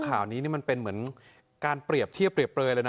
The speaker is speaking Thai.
ข่าวนี้มันเป็นเหมือนการเปรียบเทียบเปรียบเปลยเลยนะ